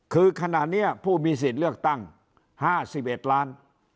คือขณะเนี้ยผู้มีสิทธิ์เลือกตั้งห้าสิบเอ็ดล้าน